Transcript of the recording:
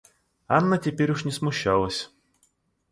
Анна теперь уж не смущалась.